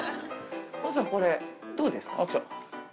これどうですか？